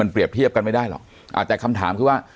เปรียบเทียบกันไม่ได้หรอกแต่คำถามคือว่า